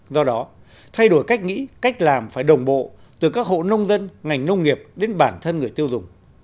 do đó thay đổi cách nghĩ cách làm phải đồng bộ từ các hộ nông dân ngành nông nghiệp đến bản thân người tiêu dùng